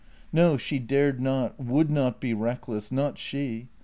No, she dared not, would not be reckless — not she.